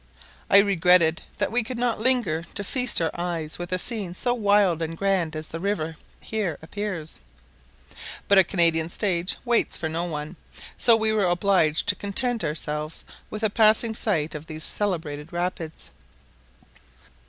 I regretted that we could not linger to feast our eyes with a scene so wild and grand as the river here appears; but a Canadian stage waits for no one, so we were obliged to content ourselves with a passing sight of these celebrated rapids.